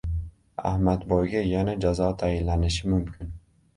«Ahmadboy»ga yana jazo tayinlanishi mumkin